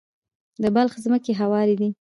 د بلخ ځمکې هوارې دي